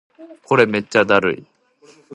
これめっちゃだるい